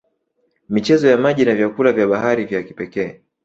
Michezo ya maji na vyakula vya bahari vya kipekee